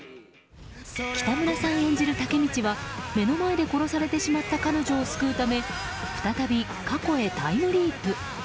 北村さん演じるタケミチは目の前で殺されてしまった彼女を救うため再び過去へタイムリープ。